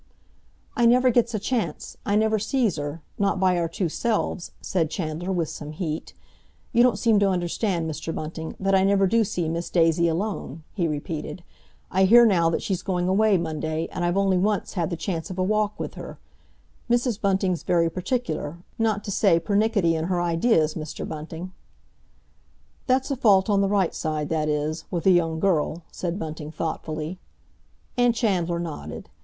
"I never gets a chance. I never sees her, not by our two selves," said Chandler, with some heat. "You don't seem to understand, Mr. Bunting, that I never do see Miss Daisy alone," he repeated. "I hear now that she's going away Monday, and I've only once had the chance of a walk with her. Mrs. Bunting's very particular, not to say pernickety in her ideas, Mr. Bunting—" "That's a fault on the right side, that is—with a young girl," said Bunting thoughtfully. And Chandler nodded.